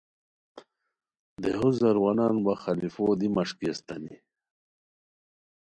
دیہو زاروانان وا خلفو دی مݰکی استانی